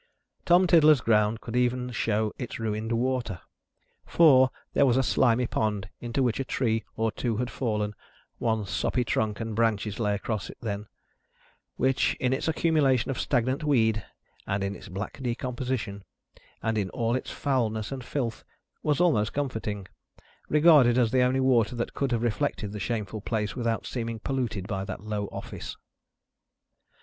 Tom Tiddler's ground could even show its ruined water; for, there was a slimy pond into which a tree or two had fallen one soppy trunk and branches lay across it then which in its accumulation of stagnant weed, and in its black decomposition, and in all its foulness and filth, was almost comforting, regarded as the only water that could have reflected the shameful place without seeming polluted by that low office.